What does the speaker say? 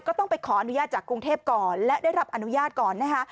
ก็ต้องไปขออนุญาตจากกรุงเทพก่อนและได้รับอนุญาตก่อนนะคะ